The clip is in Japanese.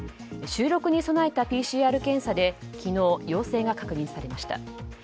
収録に備えたＰＣＲ検査で昨日、陽性が確認されました。